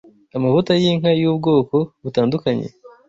amavuta y’inka y’ubwoko butandukanye